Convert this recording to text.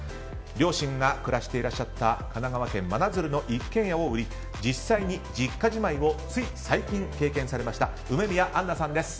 両親が暮らしていらっしゃった神奈川県真鶴の一軒家を売り実際に実家じまいをつい最近、経験されました梅宮アンナさんです。